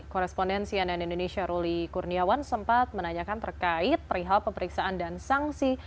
korespondensi ann indonesia ruli kurniawan sempat menanyakan terkait perihal pemeriksaan dan sanksi